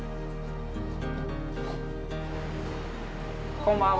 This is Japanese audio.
こんばんは。